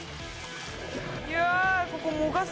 いや。